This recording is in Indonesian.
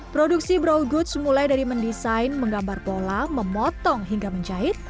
produksi brow goods mulai dari mendesain menggambar pola memotong hingga menjahit